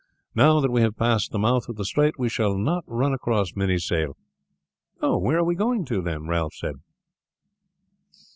Now that we have passed the mouth of the strait we shall not run across many sail." "Where are we going to, then?" Ralph said.